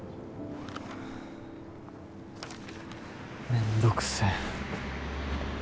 めんどくせえ。